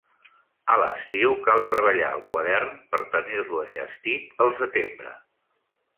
A l'estiu cal treballar el quadern per tenir-lo enllestit el setembre.